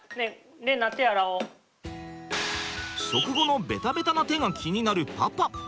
食後のベタベタな手が気になるパパ。